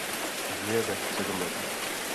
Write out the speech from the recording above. Žije ve Středomoří.